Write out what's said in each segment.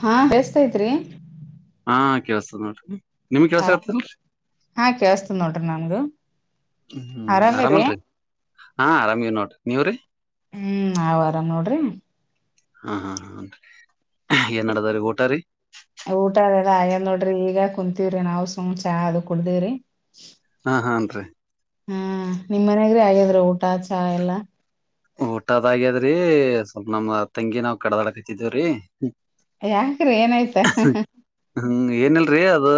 ಹಾ ಬೆಸ್ಟ್ ಐತಿರಿ ಹಾ ಕೆೇಸ್ತ ನೋಡ್ರಿ ನಿಮ್ಗ್ ಕೆಲ್ಸ ಆರಾಮ ಆತ್ತಲ್ರಿ ಹಾ ಕೇಳಸ್ತನ ನೋಡ್ರಿ ನನ್ಗ ಹ್ಮ ಹ್ಮ್ ಆರಾಮಲ್ರಿ ಹಾ ಆರಾಮವ ನೋಡ್ರಿ ನೀವ್ರಿ ಹ್ಮ್ ನಾವಾ ಆರಾಮ ನೋಡ್ರಿ ಹಾ ಹಾ ಹ ಏನ್ಡದ್ರೀ ಊಟಾರಿ ಅದ ಎಏನ್ ನೋಡ್ರಿ ಈಗ ಕುಂತೀವ್ರಿ ನಾವವು ಸುಮ್ ಚಾ ಅದು ಕುಡ್ದಿವವ್ರಿ ಹಾ ಹಾನ್ರಿ ಹ್ಮ ನಿಮ್ಮ್ ಮನಯಾಗ್ರಿ ಆಗಿದ್ರ ಊಟ ಚಾ ಎಲ್ಲಾ ಊಟದಾಗ್ಯದ್ರಿ ಸ್ವಲ್ಪ ನಮ್ ತಂಗಿ ನಾವ್ ಕಡದಾಡ ಕತ್ತಿದೇವ್ರೀ ಯಾಕ್ರಿ ಏನಾಯ್ತ ಹ್ಮ ಏನಿಲ್ಲ ರೀ ಅದು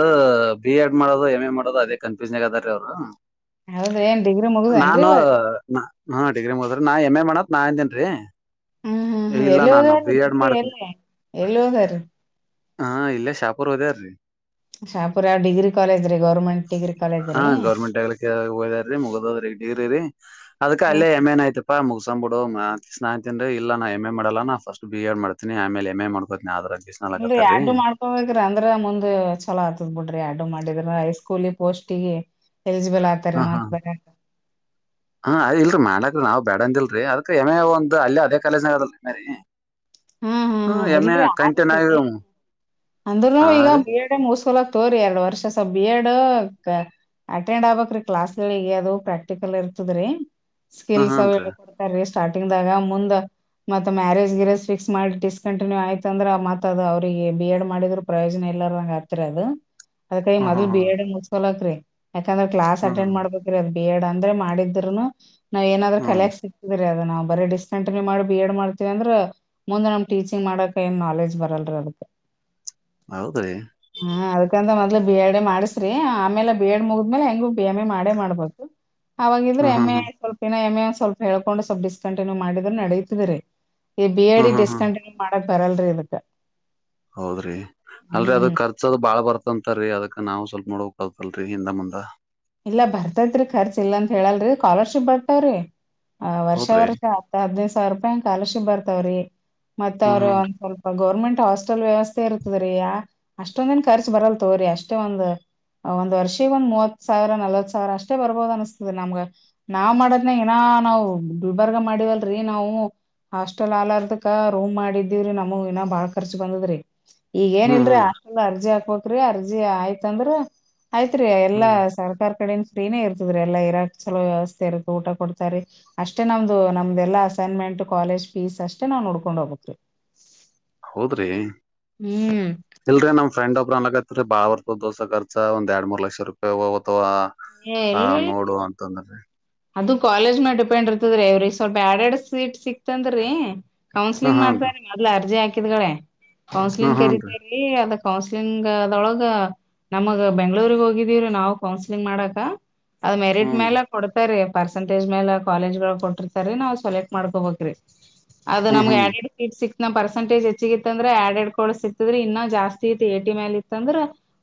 ಬಿ ಎಡ್ ಮಾಡೋದು ಎಮ್ ಎ ಮಾಡೋದು ಅದೇ ಕನ್ಫ್ಯೂಸ್ನ್ ಆಗ ಅದ ರೀ ಅವ್ರು ಹೌದ್ರಿ ಏನ್ ಡಿಗ್ರಿ ಮುಗ್ದೇನ್ರಿ ನಾನು ಇವಾಗ ಡಿಗ್ರಿ ಮುಗದಿದೇ ನಾ ಎಮ ಎ ಮಾಡಣತ್ ನಾ ಅಂತೇನ್ ರೀ ಹ್ಮ್ ಹ್ಮ್ ಎಲ್ಲಿ ಹೋದ್ರ ಡಿಗ್ರಿ ಎಲ್ಲ ಎಲ್ಲಿ ಓದ್ ರೀ ಹಾ ಇಲ್ಲೇ ಶಾಪೂರ್ ಓದಾರ್ರೀ ಹ ಶಾಪುರ ಯಾವ ಡಿಗ್ರಿ ಕಾಲೇಜ್ ರೀ ಗೌರ್ಮೆಂಟ್ ಡಿಗ್ರಿ ಕಾಲೇಜ್ ಹಾ ರೀ ರಿ ಅದಕ ಹಾ ಅಲ್ಲೇ ಎಮ ನ್ ಆಯ್ತಪಾ ಮುಗಸ ಬಿ ಸ್ನಾಯತಿನನ್ ಇಲ್ಲ ನಾ ಎಂ ಎ ಮಾಡಲ್ಲ ನಾ ಫಸ್ಟ್ ಬಿ ಎಡ್ ಮಾಡ್ತನಿ ಆಮೇಲೆ ಎಮ್ ಎ ಮಾಡ್ಕೋತಿನಿ ಇಲ್ ಎಡ್ಡು ಮಾಡ್ಕೊಬೇಕ್ರಿ ಅಂದ್ರ ಮುಂದ್ ಚಲೋ ಆತದ್ ಬಿಡ್ರಿ ಎಡ್ಡು ಮಾಡಿದ ಹೈ ಸ್ಕೂಲಿ ಪೋಸ್ಟಿಗೆ ಎಲಿಜಿಬಲ್ ಆಗ್ತಾರೆ ಹ ಹಾ ಮತ್ ಬರ ಹಾ ಅದ ಇಲ್ರರಿ ಮಾಡಕ ನಾವ್ ಬೇಡ ಅಂದಿಲ್ರರಿ ಅದಕ ಎಮೆ ಒಂದ ಅಲ್ಲಿ ಅದೇ ಕಾಲೇಜನಗದಲ್ರಿ ಮ್ ಹ್ಮ್ ಹ್ಮ್ ಹ್ಮ ಹ್ಮ್ ಎಮ ಎ ಕಂಟಿನ್ ಆ ಅಂದ್ನು ಈಗ ಬಿ ಎಡ್ ಮುಸ್ಕೊಲಕ್ ತೋರಿ ಎರಡು ವರ್ಷಸ ಬಿ ಎಡ್ ಅಟೆಂಡ್ ಆಗ್ಬಕ್ ಕ್ಲಾಸ್ ಅದು ಪ್ರಾಕ್ಟಿಕಲ್ ಇರ್ತದ್ರೀ ಹ್ಮ್ ಸ್ಕಿಲ್ಸ್ ಹ್ಮ್ ರೀ ಅವಡ್ತಾರೀ ಸ್ಟಾರ್ಟಿಂಗದಾಗ ಮುಂದ ಮತ್ತ ಮ್ಯಾರೇಜ ಗಿರೇಜ್ ಫಿಕ್ಸ್ ಮಾಡಿ ಡಿಸಕಂಟಿನ್ಯೂ ಆಯ್ತ ಅಂದ್ರ ಮತ್ ಅದ ಅವ್ರರಿಗೆ ಬಿ ಎಡ್ ಮಾಡಿದ್ರ ಪ್ರಯೋಜನ ಇಲ್ಲಾರಂಗ ಆಗ್ತ್ರಿ ಅದು ಅದಕೈ ಹ್ಮ್ ಹ್ಮ್ ಮೊದಲ್ ಬಿ ಹ್ಮ್ ಎಡ್ ಮುಸ್ಕೊಲಕರಿ ಯಾಕಂದ್ರೆ ಕ್ಲಾಸ್ ಹ್ಮ್ ಅಟೆಂಡ್ ಮಾಡ್ಬೇಕ್ರರಿ ಅದ ಬಿ ಎಡ್ ಅಂದ್ರೆ ಮಾಡಿದ್ರುನು ನಾವ್ ಏನಾದ್ರ್ ಹ್ಮ್ ಕಲಿಯಾಕ್ ಸಿಕ್ತಿದ್ರರಿ ಅದ ನಾವು ಬರೀ ಡಿಸ್ ಕಂಟಿನ್ಯೂ ಮಾಡಿ ಬಿ ಎಡ್ ಮಾಡ್ತೀವಿ ಅಂದ್ರ ಮುಂದೆ ನಮ್ ಟೀಚಿಂಗ್ ಮಾಡಕ್ ಏನ್ ನಾಲೆಜ್ ಬರಲ್ರ ಹೌದ ಹೌದ್ರಿ ಹಾ ಅದಕ್ಕಂತ ಮ ಬಿ ಎಡ್ ಎ ಮಾಡಸ್ರಿ ಆಮೇಲೆ ಬಿ ಎಡ್ ಮುಗಿದ್ಮೇಲೆ ಹೆಂಗು ಬಿ ಎಂ ಎ ಮಾಡೇ ಮಾಡ್ಬಹು ಅವಾಗಿದ್ರೆ ಹ್ಮ್ ಎಮ್ ಹ್ಮ್ ಎ ಹ್ಮ್ ಸ್ವಲ್ಪ ಇನ್ನ ಎಮ ಎ ಸ್ವಲ್ಪ ಹೇಕೊಂಡು ಸ್ವಲ್ಪಡ್ಕಂಟಿನ್ಯೂ ಮಾಡಿದ್ರೆ ನಡೀತಿದ್ರರಿ ಈ ಬಿ ಎಡೆ ಹ್ಮ್ ಹ್ಮ್ ಹ್ಮ್ ಡಿಸ್ಕಂಟಿನ್ಯೂ ಮಾಡಕ್ ಬರಲ್ರರಿ ಇಕ್ಕ ಹೌದ್ರಿ ಅಲ್ರಿ ಅದಕ್ ಖರ್ಚದು ಬಾಳ್ ಬರ್ತಂತರೀ ಅದಕ್ ನಾವು ಸ್ವಲ್ಪ ನೋಡೋಕ್ತಲ್ರರಿ ಹಿಂದ ಮುಂದ ಇಲ್ಲ ಬರ್ತತ್ರಿ ಖರ್ಚ ಇಲ್ಲಂತ ಹೇಳಲ್ರರಿ ಸ್ಕಾಲರ್ಶಿಪ್ ಬರ್ತವ್ರಿ ಆ ವರ್ಷ ಹೌದ್ರಿ ವರ್ಷ ಹ ಹದಿನೈದು ಸಾವಿರ ರೂಪಾಯಿ ಸ್ಕಾಲರ್ಶಿಪ್ ಬರ್ತಾವ್ರಿ ಮತ್ತ ಹ್ಮ್ ಅವ್ರ ಹ್ಮ್ ಒಂದ ಸ್ವಲ್ಪ ಗೌರ್ಮೆಂಟ್ ಹಾಸ್ಟೆಲ್ ವ್ಯವಸ್ಥೆ ಇರ್ತದ್ರೀ ಅಷ್ಟೊಂದನ್ ಖರ್ಚು ಬರಲ್ ತೋರಿ ಅಷ್ಟೇ ಒಂದ ಒಂದ್ ವರ್ಷ ಒಂದ ಮೂವತ್ ಸಾವಿರ ನಲ್ವತ್ ಸಾವಿರ ಅಷ್ಟೇ ಬರ್ಬಹದ ಅನಿಸತದೆ ನಮ್ಗ ನಾವ್ ಮಾಡೋದ್ ಏನ ನಾವು ಗುಲ್ಬರ್ಗ ಮಾಡ [unintelligible] ಮಾಡವಲ್ರಿ ನಾವು ಹಾಸ್ಟೆಲ್ ಆಲಾರದಕ ರೂಮ್ ಮಾಡಿದ್ದೀವ್ರಿ ನಮ ಇನ ಬಾಳ ಖರ್ಚ ಬಂದದ್ರಿ ಈಗಏನ ಹ್ಮ್ ಇಲ್ರರಿ ಹ್ಮ್ ಹಾಸ್ಟೆಲ್ ಅರ್ಜಿ ಹಾಕ್ಬಕ್ರಿ ಅರ್ಜಿ ಆಯ್ತಂದ್ರ ಆಯ್ತ್ರಿ ಎಲ್ಲಾ ಹ್ಮ್ ಸರ್ಕಾರ ಕಡೆ ಫ್ರೀನೇ ಇರ್ತದ ರರಿ ಎಲ್ಲಾ ಇರಾಕ್ಲೋ ವ್ಯವಸ್ಥೆ ಇರುತ್ತೆ ಊಟ ಕೊತಾರೆ ಅಷ್ಟೇ ನಮ್ದು ನಮ್ದೆಲ್ಲ ಎಲ್ಲ ಅಸೈನ್ಮೆಂಟ್ ಕಾಲೇಜ್ ಫೀಸ್ ಅಷ್ಟೇ ನಾವವು ನೋಡ್ಕೊಂಡ್ ಹೋಗಬೇಕು ಹೌದ್ರಿ ಇಲ್ರರಿ ನಮ ಫ್ರೆಂಡ್ ಒಬ್ರ ನನ್ಗ [unintelligible] [unintelligible] ಬಾಳ ಬರ್ತದ ದೋಸ ಖರ್ಚ ಒಂದ ಎರಡ್ ಮೂರ್ ಲಕ್ಷ ರೂಪಾಯಿ ಅಥವಾ ಏ ಹಾ ಎಲ್ಲಿ ನೋಡುವ ಅಂತಂದ್ರರಿ ಅದು ಕಾಲೇಜ್ ಮ ಡಿಪೆಂಡ್ ಇರ್ತದ್ರೀ ಇವ್ರಿ ಸ್ವಲ್ಪ ಎಡ್ ಎಡ್ ಸೀಟ್ ಸಿಕ್ತಂದ್ರೀ ಹ ಕೌನ್ಸಿಲಿಂಗ್ ಹಾನ್ರಿ ಮಾಡ್ತಾರ ಮೊದ್ಲ ಅರ್ಜಿ ಹಾಕಿದ್ಗಳೆ ಹ ಕೌನ್ಸಿಲಿಂಗ್ ಕರೀತ ಹಾನ್ರಿ ರೀ ಅದಕ್ ಕೌನ್ಸ್ಲಿಂಗ್ ಅದೊಳಗ ನಮಗ್ ಬೆಂಗಳೂರುಗೆ ಹೋಗಿದೀವ್ರೀ ನಾವವು ಕೌನ್ಸ್ಲಿಂಗ್ ಮಾಡಕ ಅದು ಮೆರಿಟ್ ಹ್ನ್ ಮೇಲೆ ಕೊಡ [unintelligible] ಪರ್ಸೆಂಟೇಜ್ ಮೇಲೆ ಕಾಲೇಜ್ ಕೊಟ್ಟಿರ್ತರಿ ನಾವ್ ಸೆಲೆಕ್ಟ್ ಮಾಡ್ಕೋಬಬೇಕ್ರೀ ಅದು ಹ್ಮ್ ನಮ್ಗೆ ಎಡ ಹ್ನ್ರಿ ಎಡು ಕೀಟ್ ಸಿಕ್ತ [unintelligible] ನಮ್ಮ್ ಪರ್ಸೆಟೇಜ್ ಹೆಚ್ಚಗಿತ್ತ ಅಂದ್ರೆ ಆಡ್ ಕೊ ಸಿಕ್ತದ್ರ ಇನ್ನ ಜಾಸ್ತಿ ಇತ್ತು [unintelligible] ಅಲ್ಲಿ ಇತ್ತ ಅಂದ್ರ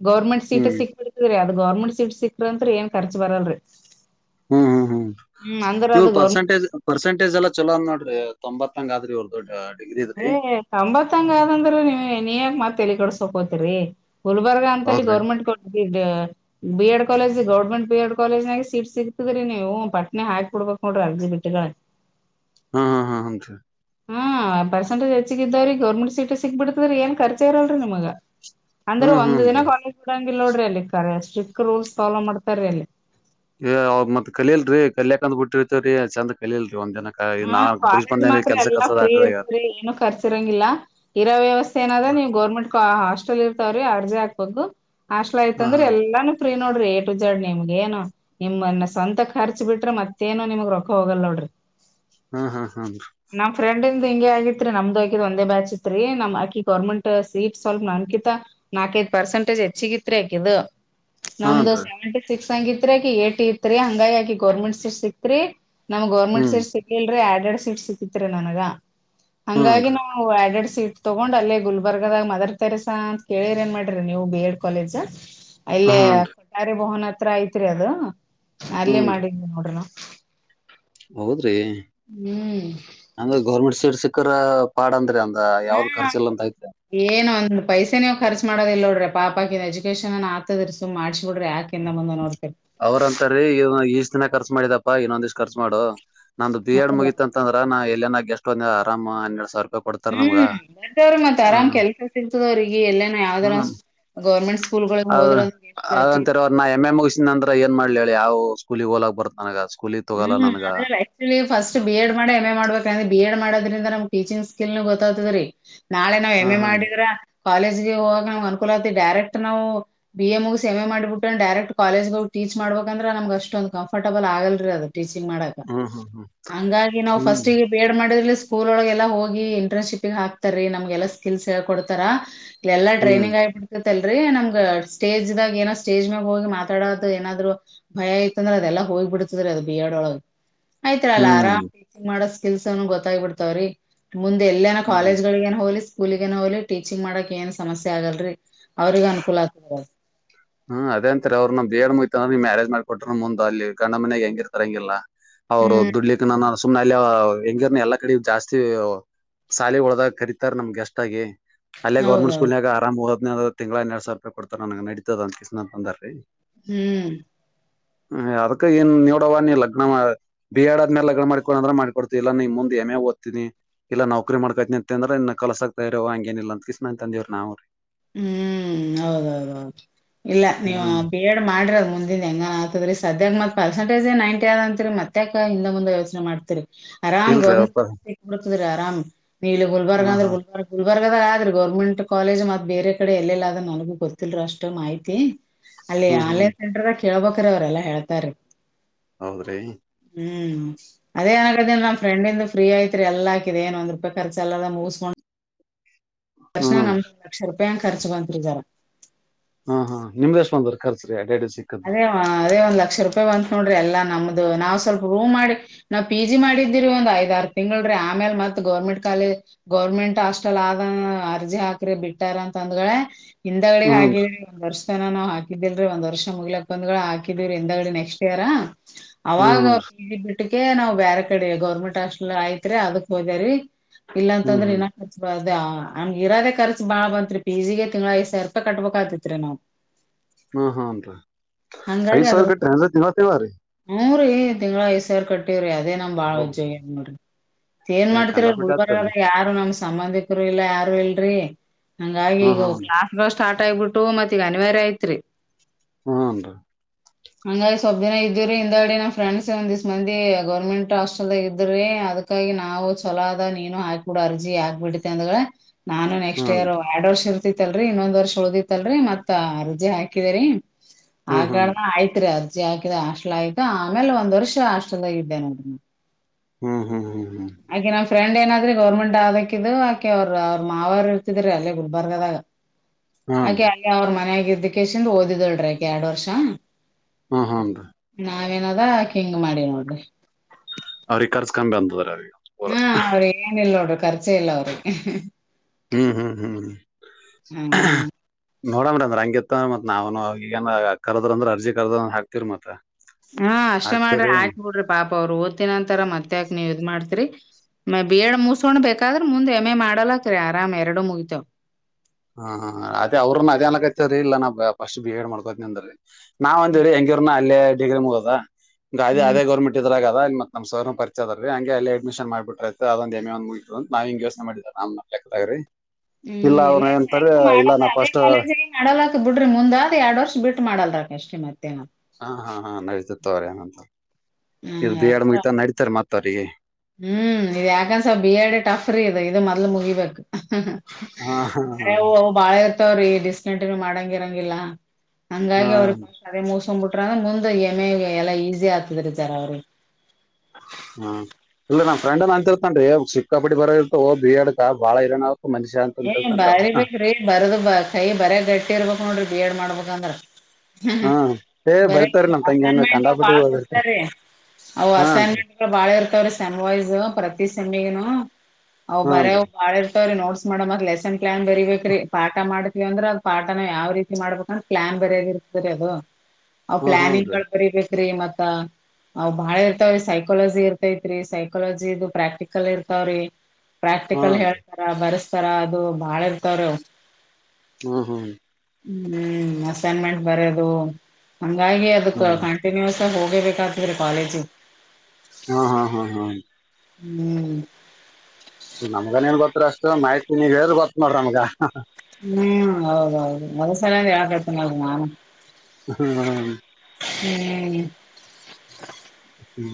ಗೌರ್ಮೆಂಟ್ ಸೀಟ ಹ್ಮ್ ಸಿಕ್ ಬಿಡ್ತಿದ್ರರಿ ಅದದು ಗೌರ್ಮೆಟ್ ಸೀಟ್ ಸಿಕ್ರೆ ಏ ಕಾರ್ರ್ಚ ಬರಲ್ರರಿ ಹ್ಮ್ ಹ್ಮ್ ಹ್ಮ್ ಇವ್ ಗೌರ್ಮೆಂಟ್ ಪರ್ಸೆಂಟೇಜ್ ಪರ್ಸೆಂಟೇಜ್ ಎಲ್ಲಾ ಚಲೋ ಅಂದ್ ನೋಡ್ರಿ ತೊಂಬತ್ತಂಗ ಆದ್ರಿ ಅವ್ರ ದೊಡ್ [unintelligible] [unintelligible] ಏ ತುಂಬತ್ತಂಗ ಆದಂದ್ರ ನೀವ ನೀಯಗ್ ಮತ್ ತಾಲಿ ಕಡಸಕೊಂಡ ಕೂತರಿ ಗುಲ್ಬರ್ಗ ಅಂತಲ್ಲಿ ಹೌದ್ರಿ ಗೌರ್ಮೆಂಟ್ ಕೊ ಇಡ್ B Ed college government B Ed college ನಾಗ ಸೀಟ್ ಸಿಗ್ತದ್ರಿ ನೀವು ಪಟ್ನೆ ಹಾಕ್ಬ ಬಿಡ್ಬಹ [unintelligible] ಕಡ ಅ ಕಟ್ಟಕ ಹಾ ಹಾ ಹಾ ಹ [unintelligible] ಹಾ ಪರ್ಸೆಟೇಜ್ ಹೆಚ್ಚಗ ಇದ್ದಾವ್ರೀ ಗೌರ್ಮೆಂಟ್ ಸೀಟ್ ಸಿಗ್ ಬಿಡ್ತದ್ರೀ ಏನ್ ಕರ್ಚ ಇರಲ್ರರಿ ನಿಮಗ ಅಂದ್ರೆ ಹ್ಮ್ ಒಂದ್ ದಿನ ಹ್ನ್ರಿ ಕಾಲೇಜ್ ಕೊಡಂಗಿಲ್ಲ ನೋಡ್ರಿ ಅಲ್ಲಿ ಕರೆ ಸ್ಟ್ರಿಕ್ ರೂಲ್ಸ್ ಫಾಲೋ ಮಾಡ್ತಾರೀ ಅಲ್ಲಿ [unintelligible] ಮತ್ ಕಲಿಲ್ರಿ ಕಲ್ಯಾಕಂದ್ ಬಿಟ್ಟಿರ್ತವ್ರರಿ ಚಂದ ಕಲಿಲ್ರಿ ಒಂದ್ ದಿನಕ ನಾ ಹ್ಮ್ ಬುಡ್ಜ್ ಕಾಲೇಜ್ ಬಂದೇನ್ರಿ ಮಾತ್ರ ಕೆಲ್ಸ ಎಲ್ಲಾ ಕಸದ ಫ್ರೀ ಆಟದಾಗ ಇರ್ತರಿ ಏನು ಖರ್ಚ ಇರಂಗಿಲ್ಲ ಇರೋ ವ್ಯವಸ್ಥೆ ಏನಾದ್ರ ನೀವು ಗೌರ್ಮೆಂಟ್ ಹಾಸ್ೆಲ್ ಇರ್ತಾವ್ರೀ ಅರ್ಜಿಾಕ್ಬೋದು ಹಾಸ್ಟಲ್ ಆಯ್ತ ಹಾ ಅಂದ್ರೆ ಹಾನ್ರಿ ಎಲ್ಲಾನ ಫ್ರೀ ನೋಡ್ರಿ ಏಟು ಜರ್ಡ್ ನಿಮ್ಗೆ ಏನು ನಿಮ್ಮನ್ನ ಸ್ವಂತ ಖರ್ಚ ಹಚ್ಚ ಬಿಟ್ರ ಮತ್ತೇನು ನಿಮಗ್ ರೊಕ್ಕ ಹೋಗಲ್ ನೋಡ್ರಿ ಹಾ ಹಾ ಹಾ ನಮ್ ಫ್ರೆಂಡ್ಂದ ಹಿಂಗೆ ಆಗಿತ್ರಿ ನಮ್ದು ಹಾಕಿದ್ ಒಂದೇ ಬ್ಯಾಚ್ ಇತ್ರಿ ನಮ್ ಆಕಿ ಗರ್ಮೆಂಟ್ ಸೀಟ್ ಸ್ವಲ್ಪ ನನ್ಕಿತ ಪರ್ಸೆಟೇಜ್ ಹೆಚ್ಚಿಗಿತ ಹಾಕಿದ್ದು ನಮ್ದು ಹಾನ್ರಿ ಸೆವೆಂಟಿ ಸಿಕ್ಸ್ ಹಂಗಿತ್ರಿ ಆಕಿ ಏಟಿ ತ್ರಿ ಹಂಗಾಗಿ ಆಕಿ ಗೋರ್ಮೆಂಟ್ ಸೀಟ್ ಸಿಕ್ತ್ರಿ ನಮ್ ಗೌರ್ಮೆಂಟ್ ಹ್ಮ್ ಸೀಟ್ ಸಿಗ್ಲಿಲ್ರೀ ಆಡೆಡ್ ಸೀಟ್ ಸಿಕ್ಕತ್ರಿ ನನಗ ಹಂಗಾಗಿ ಹನ್ರಿ ನಾವುಡ್ [unintelligible] [unintelligible] ಸೀಟ್ ತಗೊಂಡ್ ಅಲ್ಲಿ ಗುಲ್ಬರ್ಗದಾಗ ಮದರ್ ತೆರಿಸ ಅಂತ ಕೇಳಿರಿ ಮಾಡ್ರಿ ನೀವು ಬಿ ಎಡ್ ಕಾಲೇಜ ಅಲ್ಲೇ ಹನ್ರಿ ಕೊಠಾರಿ [unintelligible] ಭವನ ಹತ್ರ ಐತ್ರಿ ಅದು ಅಲ್ಲೇ ಹನ್ರಿ ಮಾಡಿದ್ ನೋಡ್ರ ಹೌದ್ರಿ ಹ್ಮ್ ಅಂದ್ರ ಗೌರ್ಮೆಂಟ್ ಸೀಡ್ ಸಿಕ್ಕರ ಪಾಡ್ ಅಂದ್ರಿ ಅ [unintelligible] ಹಾ ಏನ ಒಂದು ಪೈಸೆ [unintelligible] ನೀವು ಕರ್ಚ್ ಮಾಡೋದಲ್ ನಡ್ರ ಪಾಪಕ ಇ ಎಜುಕೇಶನ್ ಆತದರ್ಸ ಮಾಡಿ ಅವ್ರಂತಾರ ಈ ಖರ್ಚ್ ಮಾಡಿದಪ್ಪಾ ಇನ್ನೊಂದ ದಿವ್ ಖರ್ಚು ಮಾಡು ನಂದು ಬಿ ಎಡ್ ಹೌದೌದು ಮುಗಿತತ ಅಂದ್ರ ನಾ ಎಲ್ಲನ ಎಸ್ಟ್ ದು ಆರಾಮ ಅನ್ನೆರಡು ಸಾವಿರ ರೂಪಾಯಿ ಕೊಡ್ತಾರ ನಮ್ಗ ಹ್ಮ್ ಮತ್ತವ್ರ ಮತ್ ಹ ಆರಾಮ್ ಕೆಲ್ಸ ಸಿಗ್ತದವ್ರಿಗೆ ಎಲ್ಲೇನ ಯಾವ್ದಾರ ಗೌರ್ಮೆಂಟ್ ಸ್ಕೂಲ್ಗಳಿಗೆ ಅ ಹೋದ್ರ ಅದಂತರ ಅವ್ ನಾ ಎಮ್ ಎಂ ಮುಗಸಿದ ನಂತರ ಏನ್ ಮಾಡ್ಲಿ ಹೇಳ ಯಾವ ಸ್ಕೂಲಿಗೆ ಹೋಗಲಾಗ ಬರುತ್ ನನಗ ಸ್ಕೂಲಿಗ್ ತಗೋಲ್ಲ ಹ್ಮ್ ನನ್ಗ ಅ ಆಕ್ಚುಲಿ ಫಸ್ಟ್ ಬಿ ಎಡ್ ಮಾಡಿ ಎಂ ಎ ಮಾಡ್ಬೇಕಂದ್ರ ಬಿ ಎಡ್ ಮಾಡೋದ್ರಿಂದ ನಮ್ ಟೀಚಿಂಗ್ ಸ್ಕಿಲ್ ನ ಗೊತ್ತ್ತದ್ರೀ ನಾಳೆ ನಾವ್ ಎಮ್ ಹ್ಮ್ ಹ್ಮ್ ಮಾಡಿದ್ರ ಕಾಲೇಜ ಹೋಗಾರ್ ನಾನ್ಗೆ ಅನುಕೂಲ ಆಐತಿ ಡೈರೆಕ್ಟ್ ನಾವು ಬಿ ಎ ಮುಗ ಎಮ ಎ ಮಾಡ್ಬಿಟ್ಟ ಡೈರೆಕ್ಟ್ ಕಾಲೇಜಗೆ ಹೋಗ್ವಿ ಟೀಚ್ ಮಾಡಬೇಕಂದ್ರ ನಮ್ಗೆ ಅಷ್ಟೊಂದು ಕಂಫರ್ಟಬಲ್ ಆಗಲ್ ಟೀಚಿಂಗ್ ಮಾಡಾಕ ಹ್ಮ್ ಹ್ಮ್ ಹಂಗಾಗಿ ಹ್ಮ್ ಫಸ್ಟ್ಗೆ ಬಿಎಡ್ ಮಾಡಾಕ ಸ್ಕೂಲ್ ಒಳಗೆ ಎಲ್ಲಾ ಹೋಗಿ ಇಂಟರ್ನ್ಶಿಪಿಗೆ ಹಾಕ್ತಾರಿ ನಮ್ಗೆಲ್ಲಾ ಸ್ಕಿಲ ಹೇಳ್ಕೊಡ್ತಾರ ಎಲ್ಲ ಹ್ಮ್ ಟ್ರೈನಿಂಗ್ ಆಗುತ್ತಾ ನಮ್ಗ ಸ್ಟೇಜ್ ದಾಗ ಏನೋ ಸ್ಟೇಜ್ ಮಾಗ ಹೋಗಿ ಮಾತಾಡೋದು ಏನಾದ್ರು ಭಯ ಅಂದ್ರೆ ಅದೆಲ್ಲಾ ಹೋಗಿಬ ಬಿಡ ಬಿ ಎಡ್ ಒಳಗ್ ಆಯ್ತು ಅಲ್ಲ ಹ್ಮ್ ಆರಾಮ್ ಹ್ಮ್ ಟೀಚಿಂಗ್ ಮಾಡ ಸ್ಕಿಲ್ಸ್ ಏ ಗೊತ್ತಾಗ ಬಿಡ್ತಾವ್ರೀ ಮುಂದೆ ಎಲ್ಲ ನೋ ಹ್ಮ್ ಕಾಲೇಜ್ಗಳಗ ಏ ಹೋಲಿಸ ಸ್ಕೂಲಗನ ಹಲಿ ಟೀಚಿಂಗ್ ಮಾಡಕ್ ಏನ್ ಸಮಸ್ಯೆ ಆಗಲ್ರಿ ಅವ್ರಿಗೆಗ ಅನುಕೂಲ ಆಗ್ತದ ಹ್ಮ್ ಅದೇಂತಾರೆ ಅವ್ರ ನ ಬೇಡ್ ಮುಯ್ತ ಅ್ರ ಮ್ಯಾರೇ ಜ ಮಾಡ್ಕಟ್ರರು ಮುಂದ ಅಲ್ಲಿ ಗಂಡನಾ ಮನಗ್ ಹೆಂಗಿರ್ತಾರ ಹಂಗಿಲ್ಲ ಅವರು ಹ್ಮ್ ದುಡ್ಲಿಕ್ಕೆ ನನ್ನ ಸುಮ್ನೆ ಅಲ್ಲಿ ಹೆಂಗಿರ್ನ ಎಲ್ಲಾ ಕಡೆ ಜಾಸ್ತಿ ಸಾಲಿ ಒಳ್ದಾಗ ಕರತಾರೆ ನಮ್ ಗೆಸ್ಟ್ ಆಗಿ ಅಲ್ಲೇ ಗೋರ್ಮೆಂಟ್ ಹೌದೌದು. ಸ್ಕೂಲ್ ಆಗ ಆರಾಮ ಹೋದ್ನ ತಿಂಗಳನ್ನ ಅನ್ನೆರಡು ಸಾವಿರ ರೂಪಾಯ ಕೊಡ್ತಾರ ನಡತದ ಅಂತಿಸಸಂದಾರೀ ಹ್ಮ್ ಹ್ ಅದಕ್ಕ ಏನ್ ನೋಡವ ನೀ ಲಗ್ನ ಬಿ ಎಡ್ ಆದ್ಮೇಲೆ ಲಗ್ನ ಮಾಡಕೊಂಡ ಅಂದ್ರ ಮಾಡಕೊಡ್ತ ಇ ಮುಂದ ಹೆಮೆ ಗೊತಿನಿ ಇಲ್ಲ ನಕರಿ ಮಾಡ್ಕಾತನಿ ಅಂದ್ರ ಇನ್ ಕಲಸ ಆಕ್ತಾ ಇರವ ಹಂಗೇನಿಲ್ಲ ಅಂತೀಸ್ಮಮನ್ ತಂದವ್ರ ನಾವ್ರೀ ಹ್ಮ್ ಹೌದೌದೌದು ಇಲ್ಲ ನೀವ ಹ್ಮ್ ಬಿ ಎಡ್ ಮಾಡ್ರಿ ಅದ್ ಮುಂದಿನ ಹೆಂಗನ್ ಆಗ್ತದ್ರಿ ಸದ್ಯಾಗ ಮತ್ ಪರ್ಸಂಟೇಜ ನೈಂಟಿ ಆದ ಅಂತರಿ ಮತ್ತ ಹಿಂದ ಮುಂದ ಯೋಚನೆ ಮಾಡ್ತಿರಿ ಆರಾಮ ಇಲ್ರಿ ಅಪ್ಪ ಗೌರ್ಮೆಂಟ್ ಆರಾಮ್ ನೀ ಇಲ್ಲಿ ಗುಲ್ಬರ್ಗ ಹ್ಮ್ ಅಂದ್ರ ಹ್ಮ್ ಗುಲ್ಬರ್ಗ ಗುಲ್ಬರ್ಗದಾಗ ಆದ್ರಿ ಗೋರ್ಮೆಂಟ್ ಕಾಲೇಜ ಬೇರೆ ಕಡೆ ಎಲ್ಲೆಲ್ಲ ಆದ್ರ ನನಗೂ ಗೊತ್ತಿಲ್ರ ಅಷ್ಟ್ ಮಾಹಿತಿ ಅಲ್ಲಿ ಹ್ಮ್ ಹ್ಮ್ ಆನ್ಲೈನ್ ಸೆಂಟರ್ ಕೇಳಬೇಕು ಅವರೆಲ್ಲ ಹೇಳ್ತಾರೆ ಹೌದ್ರಿ ಹ್ಮ್ ಅದೇ ಆದಾಗದ ನಮ್ಮ ಫ್ರೆಂಡ್ ಫ್ರೀ ಐತ್ರಿ ಎಲ್ಲಾಕಿದೆ ಏನ್ ಒಂದ್ ರೂಪಾಯಿಖರ್ಚು ಎಲ್ಲ ಮುಗಿಸಕೊಂಡ್ ಹ್ಮ್ ನನ್ನ ಲಕ್ಷ ರೂಪಾಯಿ ಖರ್ಚು ಬಂತಿದ್ದಾರೆ ಹಾ ಹಾ ನಿಮ್ದ ಎಷ್ಟು ಬಂದ್ ಖರ್ಚು ಎರಡು ಅದೇವಾ ಅದೇ ಒಂದ್ ಲಕ್ಷ ರೂಪಾಯಿ ಬಂತತ್ ನೋಡ್ರಿ ಎಲ್ಲ ನಮ್ದು ನಾವ್ ಸ್ವಲ್ಪ ರೂಮ್ ಮಾಡಿ ನಾವ್ ಪಿ ಜಿ ಮಾಡಿದೀರಿ ಒಂದ ಐದ್ ಆರು ತಿಂಗಳ್ರೀ ಆಮೇಲ್ ಮತ್ ಗೌರ್ಮೆಂಟ್ ಕಾಲೇಜ್ ಗೌರ್ಮೆಂಟ್ ಹಾಸ್ಟೆಲ್ ಆದ ಅರ್ಜಿ ಹಾಕ್ರಿ ಬಿಟ್ಟಾರ ಅಂದ್ಗಳ ಹಿಂದಗಡೆಗ್ ಹ್ಮ್ ಹಾದ್ರರಿ ಒಂದ್ ವರ್ಷ ತನ ನಾವ್ ಹಾಕಿದಿಲ್ರಿ ಒಂದ ವರ್ಷ ಮುಗಲಕ್ ಬಂದ್ಗಳ ಹಾಕಿದೀವ್ರ ಎಂದ ನೆಕ್ಸ್ಟ್ ಇಯರ್ ಅವಾಗ ಹ್ಮ್ ಒಟ್ಟ ನಾವ್ ಬೇರೆ ಕಡೆ ಗೌರ್ಮೆಂಟ್ ಹಾಸ್ಪಿಟ್ಲ್ ಆಯತ್ ಅದಕ್ ಹೋದ್ಯರಿ ಇಲ್ಲ ಹ್ಮ್ ಅಂತಂದ್ರೆ ಹ್ಮ್ ಇನ ಹಬ್ದದು ಅದ ನಮ್ಗೆ ಇರದ ಖರ್ು ಬಾಳ ಬತ್ರಿ ಪಿಜಿಗೆ ತಿಂಗ್ ಐ್ ಸಾವಿರ ರೂಪಾಯಿ ಕಟ್ಬ ಆತಿತ್ರಿ ನಾವ್ ಹಾ ಹಾನ್ರೀ ಹಂಗಾಗಿ ಐದ್ ಸಾವಿ ರೂಪಾಯಿ ಟ್ರಾನ್ಸರ್ ತಿನ್ನತೇವ ರೀ ೀರಿ ತಿಂಗಳ ಐ್ ಸಾವರ ಕಟ್ಟಿವವ್ರಿ ಅದೇ ಓ ನಮ್ಾಳಜ್ಜೋಗ ನೋ್ರರಿ ಏನ್ ಏ ಮಾಡ್ತಿರ ಕಂಡಾಪಟ್ಟಿ ಉುಳ್ಬರ್್ರ ಆಗ್ತದ್ರಿ ಯಾರು ನಮ್ ಸಂಬಂಧಿಕರು ಇಲ್ಲ ಯಾರು ಇಲ್ ರಿ ಹಂಗಾಗಿ ಹ್ಮ್ ಈಗ ಹ್ಮ್ ಕ್ಲಾಸ್ ಗಳು ಸ್ಟಾರ್ಟ್ ಆಗಬಿಟ್ಟು ಮತ್ ಈಗ ಅನಿವಾರ ಐತ್ರಿ ಹ್ಮ್ ರೀ ಹಂಗ ಸ್ವಬ್ ದಿನ ಇದ್ದವ್ರರಿ ಹಿಂದಾ ಅಡಿ ನಮ್ಮ ಫ್ರೆಂಡ್ಸ್ ಒಂದ್್ ಮಂದಿ ಗೌರ್ಮೆಂಟ್ ಹಾಸ್ಟೆಲ್ಾಗ ಇದ್ರಿ ಅದಕ್ಕಾಗಿ ನಾವು ಹ್ ಚಲೋದ ನೀನು ಹಾಕ್ಬಡ ಅರ್ಜಿ ಹಾಕ್ಬ ಬಿಿಡೆ ಅಂದಗಳ ನಾನು ನೆಕ್ಸ್ಟ್ ಇಯರ್ ಹ್ಮ್ ಎರಡ್ ವರ್ಷ ಇರ್ತಿತ್ತಲ್ರಿ ಇನ್ನೊಂದ್ ವರ್ಷ ಉಳ್ದಿಲ್ರರಿ ಮತ್ ಅರ್ಜಿ ಹಾಕಿದರಿ ಹ್ಮ್ ಹ್ಮ್ ಆಗ ಹ್ಮ್ ಆಯ್ತ್ರಿ ಅದ ಹಾಕಿದೆ ಹಾಸ್ಟ್ಲ್ ಆಯ್ತು ಆಮೇಲೆ ಒಂದ ವರ್ಷ ಹಾಟಲ್ದಾಗ ಇದ್ದೇನೆ ಅದನ್ನ ಹ್ಮ್ ಹ್ಮ್ ಹ್ಮ್ ಹ್ಮ್ ಫ್ರೆಂಡ್ ಏನಾದ್ರೀ ಗೌರ್ಮೆಂಟ್ ಆದಕ್ಕಿದು ಆಕೆ ಅವರು ಅವ್ರ ಮಾವರ್ ಇರ್ತಿದ್ರರಿ ಅಲ್ಲೇ ಗುಡ್ಬರ್ಗದಾಗ ಆಕೆ ಅಲ್ಲಿ ಅವ್ರ ಮನ ಆಗಿದ್ದಕ್ಕೆೇಶಿಂದ ಓದಿದಳರಿ ಆಕೆ ಎರಡ್ ವರ್ಷ ಹಾ ಹನ್ ರೀ ನಾವೇನದಕ ಹಂಗ್ ಮಾಡಿ ನೋಡ್ ರಿ ಅವ್ರಿಗೆ ಕರ್ಸ್ಕಮ್ಮಿ ಅಂತದ ಅವ್ರಿಗೆ ಪೂರ ಹಾ ಅವ್ರಿ ಏನ ಇಲ್ ನೋಡ್ರರು ಖರ್ಚೆ ಇಲ್ಲ ಅವ್ರಿಗೆ ಹ್ಮ್ ಹ್ಮ್ ಹ್ಮ್ ಹ್ಮ ಹ್ಮ್ ಹ್ಮ್ ನೋಡ ಮೇಡಮ ಅಂದ್ರ ಹಂಗಗೆತ್ತ ಮತ್ ನಾವ ಈಗ ಕರ್ದ್ರ ಅ್ರ ಅರ್ಜಿ ಕರ್ದ ಹಾಕ್ತಿರ್ ಮತ್ ಹಾ ಅಷ್ಟೇ ಮಾಡ್ರಿ ಆಯಕ್ ಬಿಡ್ರಿ ಪಾಪ ಅವ್ರು ಓದ್ತಿನ ಅಂತರ ಮತ್ತ್ಯಾಕಕ್ ನೀವ್ ಇ್ ಮಾಡ್ತರಿ ಮ ಬಿ ಎಡ್ ಮುಸಕೊಂಡ್ ಬೇಕಾದ್ರ ಮುಂದೆ ಎಮ್ ಎ ಮಾಡಲಕ ರೀ ಆರಾಮ್ ಎರಡು ಮುಗಿತೇವ್ ಹಾ ಹ ಅದೇ ಅವ್ರನ್ನ ಅದೇ ಅನಕತರಿ ಇಲ್ಲ ನಾ ಫಸ್ಟ್ ಬಿ ಎಡ್ ಮಾಡ್ಕೋತಿ ಅಂದ್ರೀ ನಾವ್ಂದ ಹ್ಮ್ ಹೇಳಿ ಹೆಂಗೂರ್ನ ಅಲ್ಲೇ ಡಿಗ್ರಿ ಮುಗುದ ಅಲ್ಲೇ ಹ್ಮ್ ಅದೇ ಗೌರ್ಮೆಂಟ್ ಇದ್ರಾಗ ಅಲ್ಲಿತ್ ನಮ್ಮ ಸರ್ ಪರಿಯ ಅ ರ ಹಂಗೆ ಅಲ್ಲಿ ಅಡ್ಮಿನ್ ಮಾಡಬಿ್ರೈ ಅದ್ ಎಮ ಒ ಮುಗ ನಾವ ಹಿಂಗ ಯೋನೆ ಮಾಡಿದ್ದಾರೆ ನ್ [unintelligible] ಹ್ಮ್ ಎಲ್ಲ ಹೆಂಗು ಮಾಡಲ್ಲ ಅದೇ ಫಸ್ಟ್ ಕಾಲೇಜಿಗೆ ಮಾಡಲ್ಲಕ ಬಿಡ್ರಿ ಮುಂದಾದ್ ಎರಡ್ ವರ್ಷ ಬಿಟ್ಟು ಮಾಡಲ್ರ ಅಷ್ಟೇ ಮತ್ತೆ ಹಾ ಹಾ ಹಾ ನಡತತ್ ಅವ್ರಂತ ಹ್ಮ್ ಇ ಬಿ ಯಾಡ ಯಾಕಂದ್ರ ಮುಗಿತ ನಡತಾರೆ ಮತ್ತ ಅವ್ರಿಗೆ ಹ್ಮ್ ಇದ ಯಾಕಂದಸ ಬಿ ಯಾಡ್ ಟಫ್ ರಿ ಇ ಇದು ಮೊದ್ಲು ಮುಗಿಬೇಕಕ್ ಹಾ ಹಾ ಹಾ ಅವ್ರ ಈ ಡಿಸ್ಕಂಟಿನ್ಯೂ ಮಾಡಂಗ ಇರಂಗಿಲ್ಲ ಹಾ ಹಂಗಾಗಿ ಅವ್ರಿಗೆ ಅದೇ ಮಸ್ಂಬಿಟ್ಟ ಅ ಮುಂದೆ ಎಮ ಎಲ್ಲಾ ಈಸಿ ಆಗ್ತದ್ರತಾರೆ ಅವರು ಹ್ಮ ಇಲ್ಲ ನನ್ ಫ್ರೆಂಡ್ನ್ ಅಂತಿರ್ತನ್ರಿ ಸಿಕ್ಕಾಪಡಿ ಬರೋ ಇರ್ತ ಬಿ ಅಡಕ ಬಾಳ ಇರನ ಏ ಬಾರಿ ಬೇರೀ ಬರದ ಬಾ ಕೈ ಬರ ಗಟ್ಟಿ ಇರ್ಬೇಕ್ ನೋಡ್ರಿ ಬಿ ಎಡ್ ಮಾಡ್ಬಂದ್ರ ಹ್ಮ ಏ ಬರ್ತಾರ ನಮ್ ಅಸೈನ್ಮೆಂಟ್ ಅವ್ ತಂಗನ್ನುಂಡಾಪಟ್ಟ ಬಾಳ್ ಹೋಗ ಬರ್ತಾರ ಕೊಡ್ತಾರ್ರೀ ಅವು ಅಸೈನ್ಮೆಂಟ್ ಬಾಳ ಇರ್ತವ್ರೀ ಸೆಮ್ ವೈಸ್ ಪ್ರತಿ ಸೆಮ್ಮಿಗನು ಹ ಅವ್ ಬರ್ ಹಾನ್ರಿ ಬಾಳ ಇರ್ತವ್ರೀ ನೋಡ್ ಮಾಡಮ್ಕ್ ಲೆಸನ್ ಪ್ಲನ್ ಬರಿಬೇಕ್ರೀ ಪಾಠ ಮಾಡ್ತಿವವಿಂದ್ರ ಅ ಪಾಠನಾವ ರೀತಿ ಮಾಡ್ಬೇಕ ಅ್ರ ಪ್ಲಾನ್ ಬರಿಯದಿತಿ ರಿ ಅದು ಅವ್ ಹ್ಮ್ ಹ್ಞೂನ್ರಿ ಪ್ಲಾನಿಂಗ್ಗಳು ಬರಿಬೇಕ್ರೀ ಮತ್ತ ಅವ್ ಬಾಳ ಇರ್ತಾವ್ರಿ ಸೈಕಲಜಿ ಇರ್ತೈತ್ರಿ ಸೈಕಲಜಿ ಪ್ರಾಕ್ಟಿಕಲ್ ಇರ್ತಾವ್ರಿ ಪ್ರಾಕ್ಟಿಕಲ್ ಹ್ಞೂನ್ರಿ ಹೇಳ್ತಾರ ಬರಸ್ತಾರ ಅದು ಬಾಳ ಇರ್ತವ್ರ ಹ್ಮ್ ಹ್ಮ್ ಹ್ಮ್ ಅಸೈನ್ಮೆಂಟ್ ಬರದು ಹಂಗಾಗಿ ಅದಕ್ ಹ್ಮ್ ಹ್ಮ್ ಕಂಟಿನ್ಯೂಸ್ ಹೋಗೋಗ ಬೇೇಕಾದು ಮೇರೆ ಕಾಲೇಜ ಹಾ ಹಾ ಹಾ ಹಾ ಹ್ಮ್ ನಮ್ಗನ್ ನ್ ಗೊತ್ತರಿ ಅಷ್ಟ್ ಮಾಹಿತಿ ನೀ ಹೇಳ ಗೊತ್ತತ್ ನೋಡ್ರ ನಮ್ಗ ಹ್ಮ್ ಹೌದ ಹೌದು ಮದಸಲ ಯಳತಲ್ಲ ನ ಹ್ಮ ಹ ಹ್ಮ್ ಹ್ಮ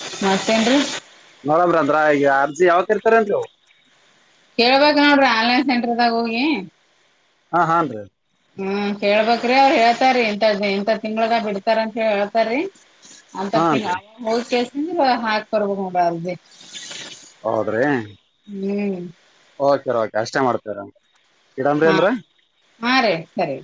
[unintelligible] ಹಡ್ರಂದ್ರ ಈಗ ಅರ್ಜಿ ಯಾವತ್ ಇರ್ತಾರನ್ರು ಕೇಳ್ಬೇಕ ನೋಡ್ರಿ ಆನ್ಲೈನ್ ಸೆಂಟರ್ದಾಗ ಹೋಗಿ ಹಾ ಹಾನ್ ರೀ ಹ್ಮ್ ಕೇಳ್ಬ್ರಿ ಅವ್ರು ಹೇತಾರೀ ಇಂಂತ ಎಂತ ತಿಂಗಳಗ ಬಿಡ್ತಾರ ಅಂತ ಹೇಳಿ ಹೇಳ್ತಾರೀ ಅಂತರ್ತಿ ಹಾನ್ರಿ ಹೋಗ ಕೇಸ ಹಾಕ್ ಬರ್ಬ ನೋಡ ಅರ್ಜಿ ಹೌದ್ರಿ ಹ್ಮ್ ಓಕೆ ಓಕೆ ಅಷ್ಟೇ ಮಾಡ್ತೇರ ಹಾ ಇಡಂತಂದ್ರ ಹಾ ರೀ ಸರಿ